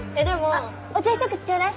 あっお茶ひと口ちょうだい。